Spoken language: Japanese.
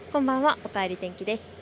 おかえり天気です。